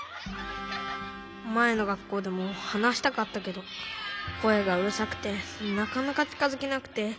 まえのがっこうでも話したかったけどこえがうるさくてなかなかちかづけなくて。